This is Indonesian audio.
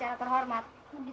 yalah kalau kita mendapatkan uang